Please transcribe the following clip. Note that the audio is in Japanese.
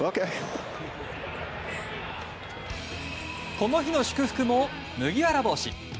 この日の祝福も麦わら帽子。